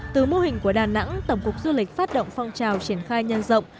từ mô hình của đà nẵng tổng cục du lịch phát động phong trào triển khai nhân rộng